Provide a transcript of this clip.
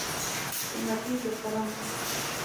قیمتي ټوکران.